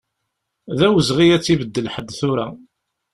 D awezɣi ad tt-ibeddel ḥedd tura.